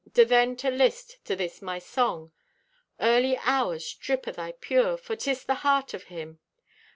Do then to list to this my song. Early hours, strip o' thy pure, For 'tis the heart of Him.